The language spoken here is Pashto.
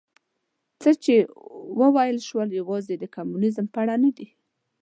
څه چې وویل شول یوازې د کمونیزم په اړه نه دي.